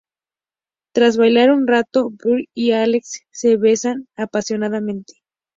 Tras bailar un rato, Bethany y Alex se besan apasionadamente.